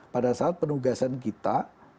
pada saat penugasan kita